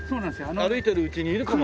歩いてるうちにいるかも。